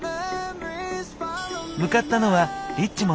向かったのはリッチモンド。